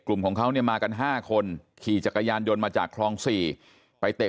กลุ่มของเขาเนี่ยมากัน๕คนขี่จักรยานยนต์มาจากคลอง๔ไปเตะ